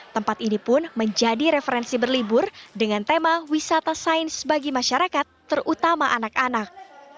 tempat ini pun menjadi referensi berlibur dengan tema wisata sains bagi masyarakat terutama anak anak